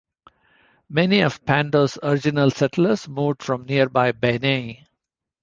Many of Pando's original settlers moved from nearby Beni.